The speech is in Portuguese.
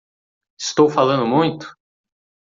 Estou falando muito?